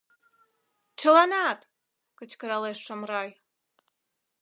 Чыланат! — кычкыралеш Шамрай.